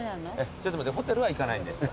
ちょっと待ってホテルは行かないんですよ。